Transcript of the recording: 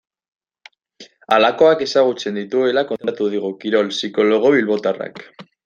Halakoak ezagutzen dituela kontatu digu kirol psikologo bilbotarrak.